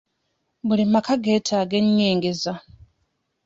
Buli maka geetaaga enyingiza.